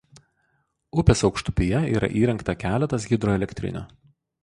Upės aukštupyje yra įrengta keletas hidroelektrinių.